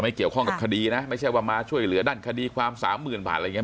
เกี่ยวข้องกับคดีนะไม่ใช่ว่ามาช่วยเหลือด้านคดีความสามหมื่นบาทอะไรอย่างนี้